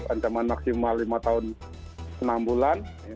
ancaman maksimal lima tahun enam bulan